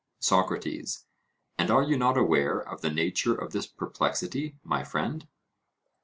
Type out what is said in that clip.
SOCRATES: And are you not aware of the nature of this perplexity, my friend?